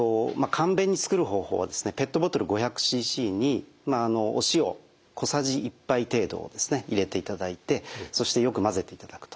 簡便に作る方法はペットボトル５００ｃｃにお塩小さじ１杯程度を入れていただいてそしてよく混ぜていただくと。